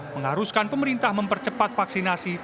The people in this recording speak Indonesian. mengharuskan pemerintah mempercepat vaksinasi